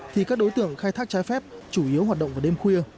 thì các đối tượng khai thác trái phép chủ yếu hoạt động vào đêm khuya